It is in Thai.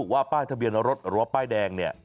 ว่าป้ายทะเบียนรถหรือว่าป้ายแดงเนี่ย